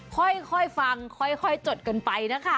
ค่อยฟังค่อยจดกันไปนะคะ